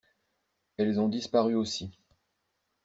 Elles ont disparu aussi.